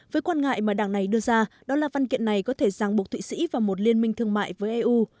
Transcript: với quan ngại mà đảng này đưa ra đó là văn kiện này có thể giang buộc thụy sĩ vào một liên minh thương mại với eu